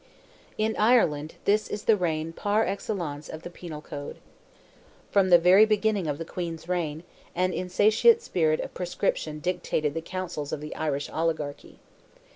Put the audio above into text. In Ireland, this is the reign, par excellence, of the penal code. From the very beginning of the Queen's reign, an insatiate spirit of proscription dictated the councils of the Irish oligarchy.